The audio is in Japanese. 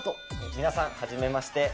皆さん、はじめまして。